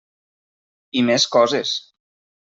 I més coses.